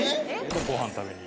ご飯食べに。